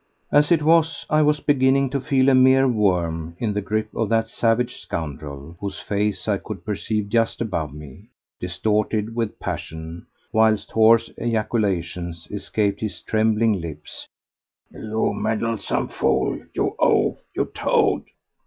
As it was, I was beginning to feel a mere worm in the grip of that savage scoundrel, whose face I could perceive just above me, distorted with passion, whilst hoarse ejaculations escaped his trembling lips: "You meddlesome fool! You oaf! You toad!